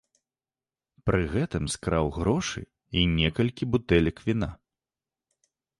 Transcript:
Пры гэтым скраў грошы і некалькі бутэлек віна.